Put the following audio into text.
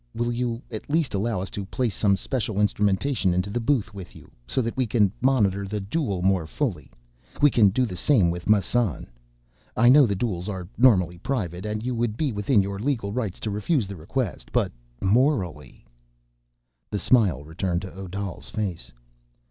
"Will you at least allow us to place some special instrumentation into the booth with you, so that we can monitor the duel more fully? We can do the same with Massan. I know that duels are normally private and you would be within your legal rights to refuse the request. But, morally—" The smile returned to Odal's face.